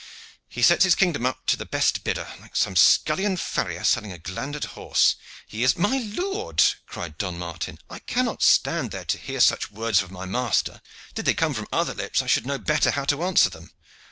He sets his kingdom up to the best bidder, like some scullion farrier selling a glandered horse. He is " "My lord," cried Don Martin, "I cannot stand there to hear such words of my master. Did they come from other lips, I should know better how to answer them."